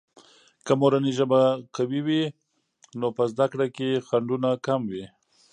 که مورنۍ ژبه قوية وي، نو په زده کړه کې خنډونه کم وي.